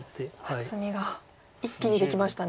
厚みが一気にできましたね。